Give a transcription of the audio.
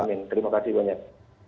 amin terima kasih banyak